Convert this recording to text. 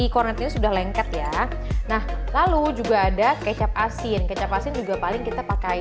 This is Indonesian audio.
kornetnya sudah lengket ya nah lalu juga ada kecap asin kecap asin juga paling kita pakai